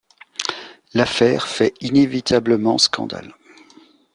L'affaire fait inévitablement scandale.